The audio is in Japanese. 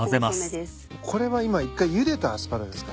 これは今一回ゆでたアスパラですか？